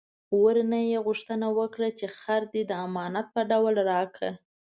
ورنه یې غوښتنه وکړه چې خر دې د امانت په ډول راکړه.